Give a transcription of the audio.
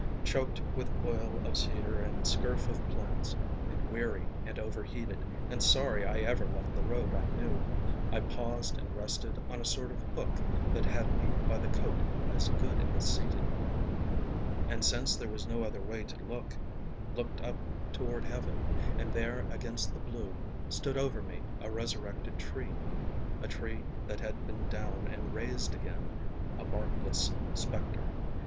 Choked with oil of cedar And scurf of plants, and weary and over heated, And sorry I ever left the road I knew, I paused and rested on a sort of hook That had me by the coat as good as seated, And since there was no other way to look, Looked up toward heaven, and there against the blue, Stood over me a resurrected tree, A tree that had been down and raised again A barkless spectre.